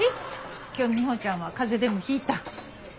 今日ミホちゃんは風邪でもひいた？